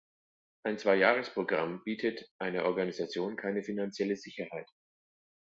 Ein Zweijahresprogramm bietet einer Organisation keine finanzielle Sicherheit.